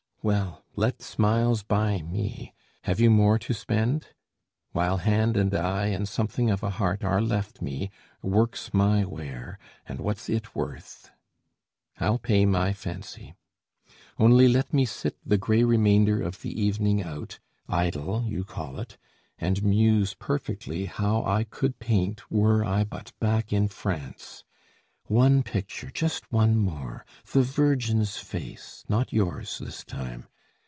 Well, let smiles buy me! have you more to spend? While hand and eye and something of a heart Are left me, work's my ware, and what's it worth? I'll pay my fancy. Only let me sit The gray remainder of the evening out, Idle, you call it, and muse perfectly How I could paint were I but back in France, One picture, just one more the Virgin's face, Not yours this time!